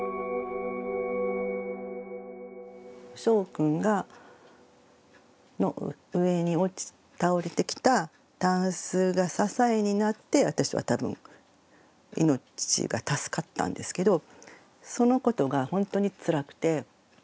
しょうくんの上に倒れてきたタンスが支えになって私は多分命が助かったんですけどそのことがほんとにつらくて。